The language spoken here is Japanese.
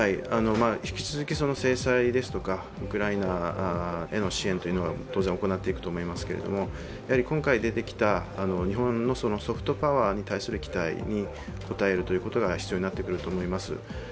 引き続き制裁ですとかウクライナへの支援は当然行っていくと思いますけども今回出てきた日本のソフトパワーに対する期待に応えるということが必要になってくると思います。